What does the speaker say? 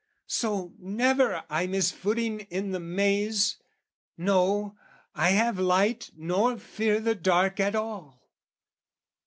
So, never I miss footing in the maze, No, I have light nor fear the dark at all.